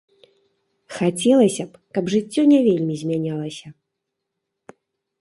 Хацелася б, каб жыццё не вельмі змянялася.